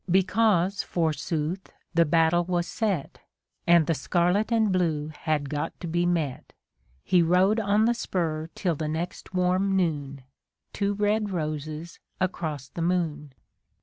Because, forsooth, the battle was set, And the scarlet and blue had got to be met. He rode on the spur till the next warm noon :— Two red roses across the moon.